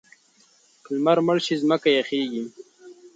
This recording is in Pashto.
که لمر مړ شي ځمکه یخیږي.